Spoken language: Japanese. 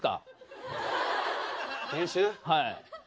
はい。